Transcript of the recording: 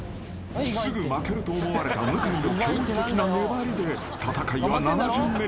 すぐ負けると思われた向井の驚異的な粘りで戦いは７巡目に突入］